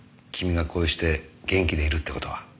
君がこうして元気でいるって事は。